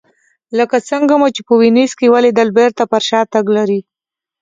لکه څنګه مو چې په وینز کې ولیدل بېرته پر شا تګ لري